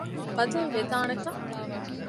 ބަދަލު ވެދާނެތަ؟